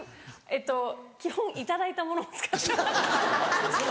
えっと基本頂いたものを使ってハハハハハ！